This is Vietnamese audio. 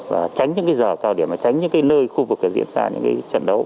và tránh những giờ cao điểm và tránh những nơi khu vực diễn ra những trận đấu